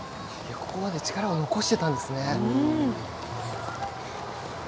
ここまで力を残してたんですね。